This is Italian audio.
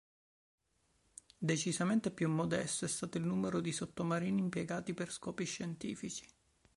Decisamente più modesto è stato il numero di sottomarini impiegati per scopi scientifici.